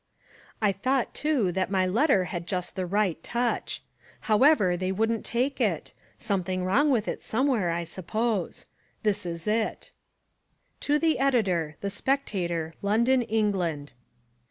I thought too that my letter had just the right touch. However, they wouldn't take it: something wrong with it somewhere, I suppose. This is it: To the Editor, The Spectator, London, England.